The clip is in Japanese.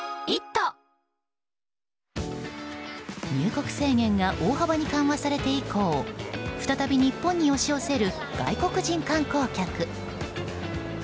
入国制限が大幅に緩和されて以降再び日本に押し寄せる外国人観光客。